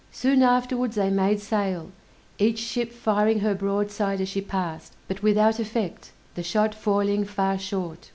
Soon afterwards they made sail, each ship firing her broadside as she passed, but without effect, the shot falling far short.